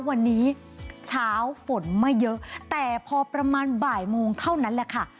วันนี้เช้าฝนไม่เยอะแต่พอประมาณบ่ายโมงเท่านั้นแหละค่ะ